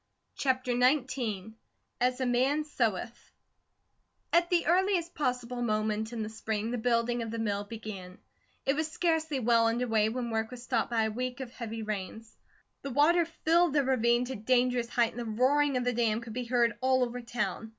CHAPTER XIX "AS A MAN SOWETH" AT THE earliest possible moment in the spring, the building of the mill began. It was scarcely well under way when the work was stopped by a week of heavy rains. The water filled the ravine to dangerous height and the roaring of the dam could be heard all over town.